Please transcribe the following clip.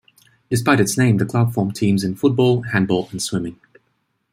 Despite its name, the club formed teams in football, handball and swimming.